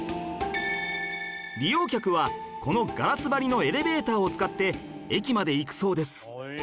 利用客はこのガラス張りのエレベーターを使って駅まで行くそうです